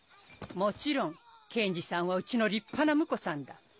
もちろん健二さんはうちの立派な婿さんだ。